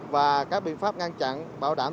và các biện pháp ngăn chặn bảo đảm